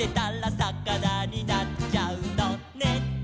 「さかなになっちゃうのね」